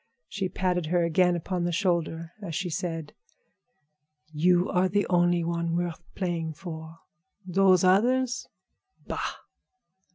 She patted her again upon the shoulder as she said: "You are the only one worth playing for. Those others? Bah!"